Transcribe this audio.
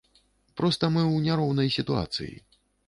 Проста мы ў няроўнай сітуацыі.